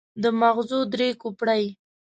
د ماغزو درې کوپړۍ.